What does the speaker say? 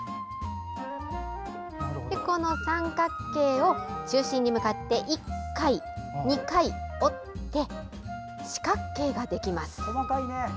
この三角形を中心に向かって１回、２回折って四角形ができます。